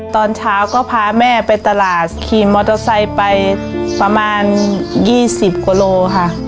ตอนเช้าก็พาแม่ไปตลาดขี่มอเตอร์ไซค์ไปประมาณ๒๐กว่าโลค่ะ